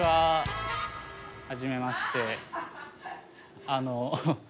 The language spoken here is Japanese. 初めまして。